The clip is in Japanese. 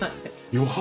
余白。